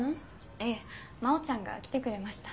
ええ真央ちゃんが来てくれました。